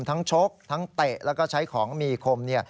ทั้งชกทั้งเตะและใช้ของมีคม